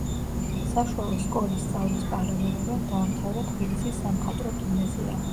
საშუალო სკოლის სწავლის პარალელურად დაამთავრა თბილისის სამხატვრო გიმნაზია.